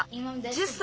１０歳。